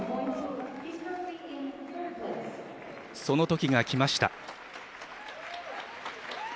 そのときが来ました。